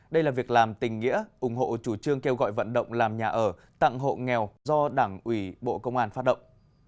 đây là việc làm tình nghĩa ủng hộ chủ trương kêu gọi vận động làm nhà ở tặng hộ nghèo do đảng ủy bộ công an phát động